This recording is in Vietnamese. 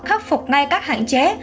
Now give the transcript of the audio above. khắc phục ngay các hạn chế